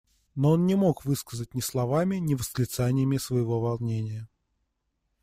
Но он не мог выразить ни словами, ни восклицаниями своего волнения.